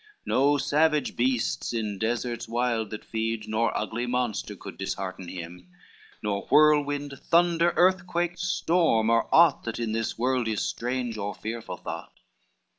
No savage beasts in deserts wild that feed Nor ugly monster could dishearten him, Nor whirlwind, thunder, earthquake, storm, or aught That in this world is strange or fearful thought.